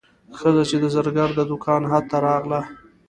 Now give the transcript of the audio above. ښځه چې د زرګر د دوکان حد ته راغله.